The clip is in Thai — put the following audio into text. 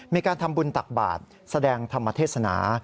มีการทำบุญตักบาทแสดงธรรมเทศนา